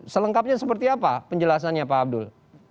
selengkapnya seperti apa penjelasannya pak abdul